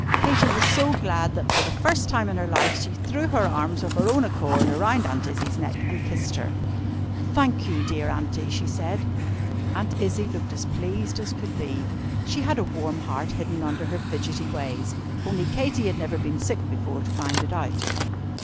Katy was so glad, that, for the first time in her life, she threw her arms of her own accord round Aunt Izzie's neck, and kissed her. "Thank you, dear Aunty!" she said. Aunt Izzie looked as pleased as could be. She had a warm heart hidden under her fidgety ways only Katy had never been sick before, to find it out.